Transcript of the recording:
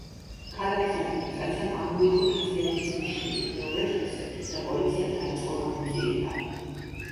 ქალაქის ადმინისტრაციამ ამოიღო დაზიანების ნიშნები მეორე დღესვე და პოლიციამ დაიწყო გამოძიება.